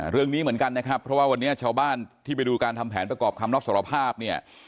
เรื่องนี้เหมือนกันนะครับเพราะว่าวันนี้ชาวบ้านที่ไปดูการทำแผนประกอบคำรับสารภาพเนี่ย